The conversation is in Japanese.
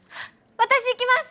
私行きます！